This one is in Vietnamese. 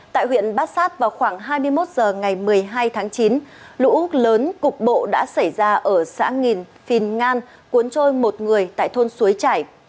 tại huyện bát sát vào khoảng hai mươi một h ngày một mươi hai tháng chín lũ lớn cục bộ đã xảy ra ở xã nghìn phìn ngan cuốn trôi một người tại thôn suối trải